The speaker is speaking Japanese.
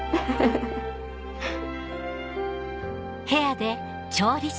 フッ。